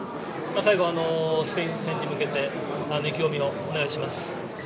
最後、スペイン戦に向けて意気込みをお願いします。